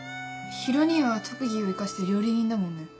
ヒロ兄は特技を生かして料理人だもんね。